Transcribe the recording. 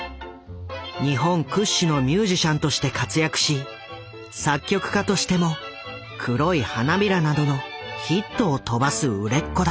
日本屈指のミュージシャンとして活躍し作曲家としても「黒い花びら」などのヒットを飛ばす売れっ子だ。